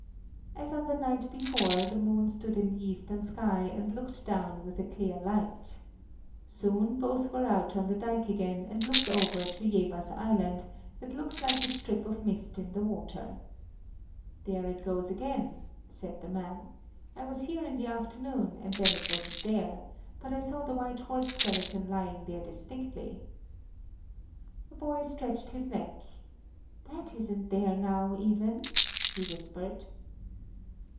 As on the night before, the moon stood in the eastern sky and looked down with a clear light. Soon both were out on the dike again and looked over to Jevers Island, that looked like a strip of mist in the water. "There it goes again," said the man; "I was here in the afternoon, and then it wasn't there; but I saw the white horse skeleton lying there distinctly!" The boy stretched his neck: "That isn't there now, Iven," he whispered.